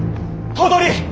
頭取！